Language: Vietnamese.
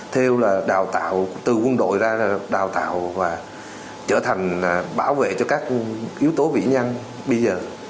theo là đào tạo từ quân đội ra là đào tạo và trở thành bảo vệ cho các yếu tố vĩ nhân bây giờ